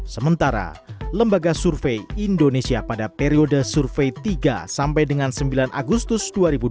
sementara lembaga survei indonesia pada periode survei tiga sampai dengan sembilan agustus dua ribu dua puluh